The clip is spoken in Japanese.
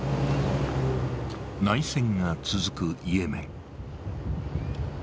内戦が続くイエメン。